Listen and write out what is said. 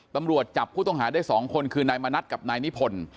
ตำรวจจับผู้ต้องหาได้๒คนคือนายมณัฐกับนายนิพนธ์